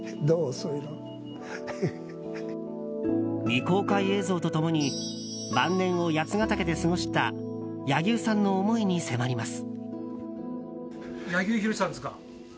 未公開映像と共に晩年を八ケ岳で過ごした柳生さんの思いに迫ります。